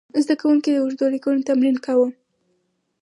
زده کوونکي د اوږدو لیکنو تمرین کاوه.